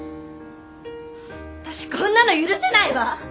私こんなの許せないわ！